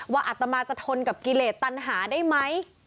อัตมาจะทนกับกิเลสตันหาได้ไหม